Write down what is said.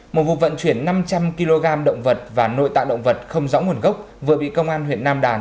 một vụ vận chuyển năm trăm linh kg động vật và nội tạng động vật không rõ nguồn gốc vừa bị công an huyện nam đàn